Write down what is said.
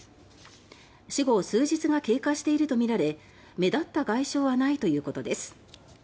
死後数日が経過していると見られ目立った外傷はないということです。